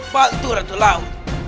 bantu ratu lau